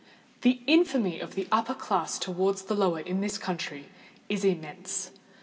The infamy of the upper class towards the lower in this country, is immense.